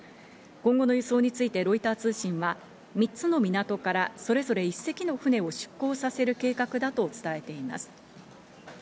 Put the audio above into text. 今後の輸送についてロイター通信は３つの港からそれぞれ１隻の船を出港させる計画だと伝えています。